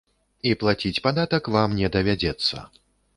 І плаціць падатак вам не давядзецца.